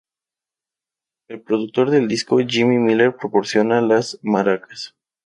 El productor del disco, Jimmy Miller, proporciona las maracas.